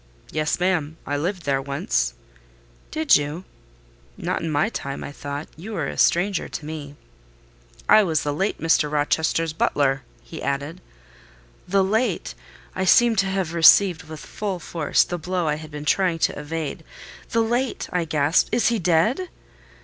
"Yes, ma'am; I lived there once." "Did you?" Not in my time, I thought: you are a stranger to me. "I was the late Mr. Rochester's butler," he added. The late! I seem to have received, with full force, the blow I had been trying to evade. "The late!" I gasped. "Is he dead?"